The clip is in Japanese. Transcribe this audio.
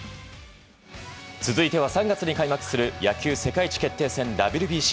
続いては３月に開幕する野球世界一決定戦、ＷＢＣ。